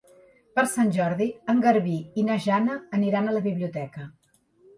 Per Sant Jordi en Garbí i na Jana aniran a la biblioteca.